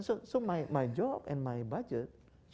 jadi pekerjaan saya dan budjet saya